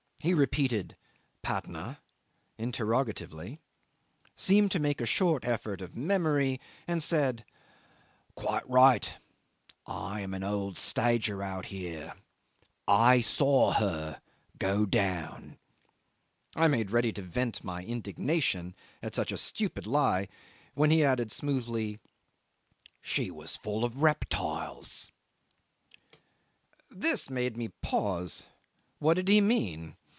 He repeated Patna? interrogatively, seemed to make a short effort of memory, and said: "Quite right. I am an old stager out here. I saw her go down." I made ready to vent my indignation at such a stupid lie, when he added smoothly, "She was full of reptiles." 'This made me pause. What did he mean?